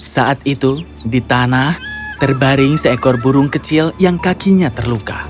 saat itu di tanah terbaring seekor burung kecil yang kakinya terluka